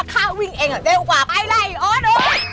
ข้าวิ่งเองเร็วกว่าไปเลยโอ๊ด